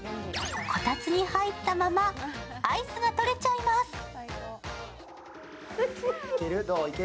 こたつに入ったままアイスが取れちゃいます。